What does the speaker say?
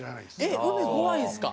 えっ海怖いんですか？